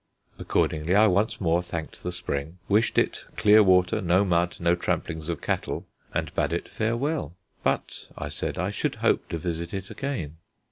Accordingly I once more thanked the spring, wished it clear water, no mud, no tramplings of cattle, and bade it farewell. But, I said, I should hope to visit it again.